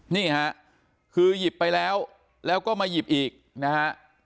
นี่ฮะคือหยิบไปแล้วแล้วก็มาหยิบอีกนะฮะ